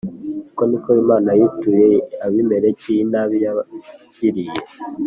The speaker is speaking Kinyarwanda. Uko ni ko Imana yituye Abimeleki inabi yagiriye